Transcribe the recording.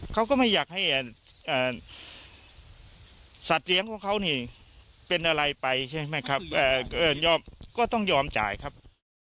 เขาก็ไม่อยากให้สัตว์เลี้ยงของเขานี่เป็นอะไรไปใช่ไหมครับก็ต้องยอมจ่ายครับ